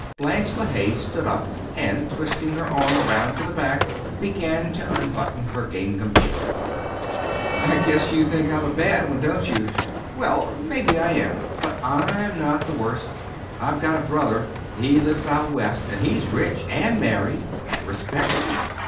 Blanche LeHaye stood up and, twisting her arm around at the back, began to unbutton her gingham apron. "I guess you think I'm a bad one, don't you? Well, maybe I am. But I'm not the worst. I've got a brother. He lives out West, and he's rich, and married, and respectable.